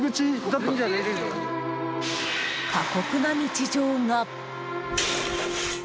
過酷な日常が。